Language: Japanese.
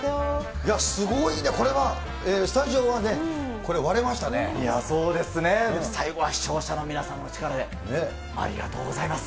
いや、すごいね、これはスタそうですね、最後は視聴者の皆さんの力で、ありがとうございます。